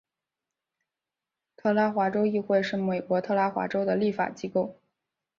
特拉华州议会是美国特拉华州的立法机构。